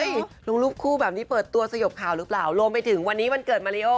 ลงรูปคู่แบบนี้เปิดตัวสยบข่าวหรือเปล่ารวมไปถึงวันนี้วันเกิดมาริโอ